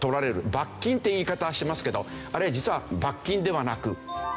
罰金って言い方してますけどあれは実は罰金ではなく過料。